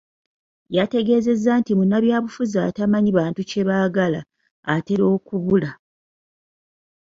Abategeezeza nti munnabyabufuzi atamanyi bantu kye baagala atera okubula.